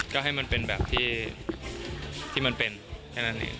ก็ให้มันเป็นแบบที่มันเป็นแค่นั้นเอง